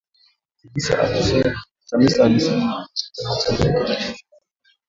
Chamisa alisema chama chake hakitaki kupigana na watu.